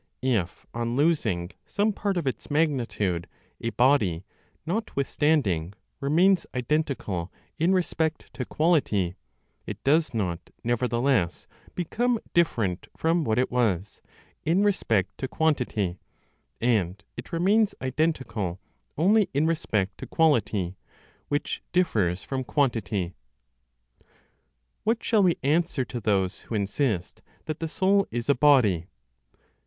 If, on losing some part of its magnitude, a body, notwithstanding, remains identical in respect to quality, it does not nevertheless become different from what it was, in respect to quantity, and it remains identical only in respect to quality, which differs from quantity. What shall we answer to those who insist that the soul is a body?